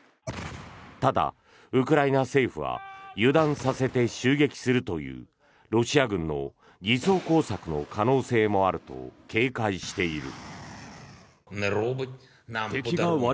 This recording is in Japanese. ただ、ウクライナ政府は油断させて襲撃するというロシア軍の偽装工作の可能性もあると警戒している。